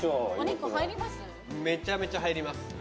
めちゃめちゃ入ります。